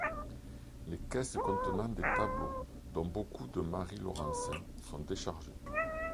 Les caisses contenant des tableaux, dont beaucoup de Marie Laurencin, sont déchargées.